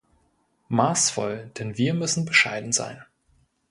Maßvoll, denn wir müssen bescheiden sein.